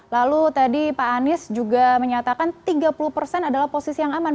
lalu tadi pak anies juga menyatakan tiga puluh persen adalah posisi yang aman